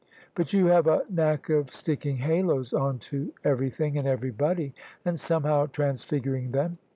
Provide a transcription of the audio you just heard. But you have a knack of sticking haloes on to ever3rthing and everybody, and somehow transfiguring them.